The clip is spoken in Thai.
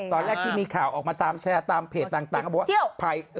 ตอนแรกที่มีข่าวออกมาตามแชร์ตามเพจต่างก็บอกว่า